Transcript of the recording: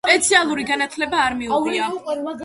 სპეციალური განათლება არ მიუღია.